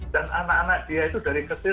dan anak anak dia itu dari kecil